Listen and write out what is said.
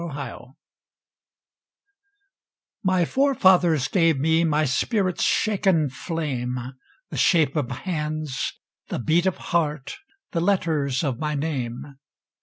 Driftwood My forefathers gave me My spirit's shaken flame, The shape of hands, the beat of heart, The letters of my name.